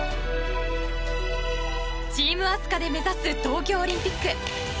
チームあすかで目指す東京オリンピック。